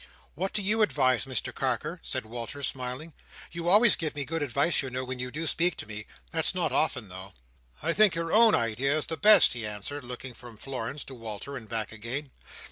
"What do you advise, Mr Carker?" said Walter, smiling. "You always give me good advice, you know, when you do speak to me. That's not often, though." "I think your own idea is the best," he answered: looking from Florence to Walter, and back again.